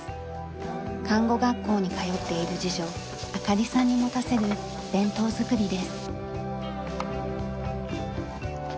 看護学校に通っている次女朱里さんに持たせる弁当作りです。